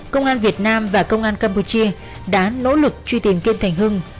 công an việt nam và công an campuchia đã nỗ lực truy tìm kim thành hưng